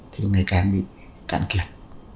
thì ngày càng bị cạn kiệt